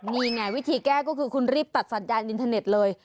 นี่ไงวิธีแก้ก็คือคุณรีบตัดสัญญาณอินเทอร์เน็ตเลย